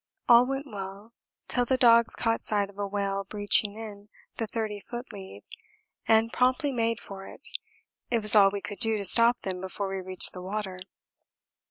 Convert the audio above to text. All went well till the dogs caught sight of a whale breeching in the 30 ft. lead and promptly made for it! It was all we could do to stop them before we reached the water.